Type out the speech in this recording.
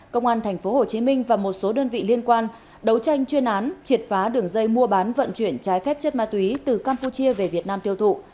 công an tp hcm và một số đơn vị liên quan đấu tranh chuyên án triệt phá đường dây mua bán vận chuyển trái phép chất ma túy từ campuchia về việt nam tiêu thụ